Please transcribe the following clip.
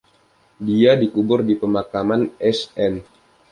Dia dikubur di Pemakaman East End.